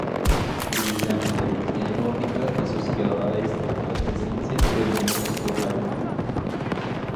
La mitología nórdica asociaba esto a la presencia de un monstruo marino.